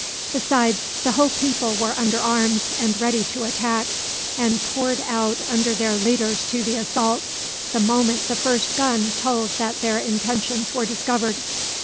Besides, the whole people were under arms and ready to attack, and poured out under their leaders to the assault, the moment the first gun told that their intentions were discovered.